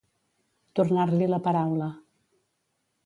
Tornar-li la paraula.